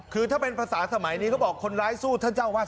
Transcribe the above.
คือถ้าเป็นภาษาสมัยนี้เขาบอกคนร้ายสู้ท่านเจ้าวาด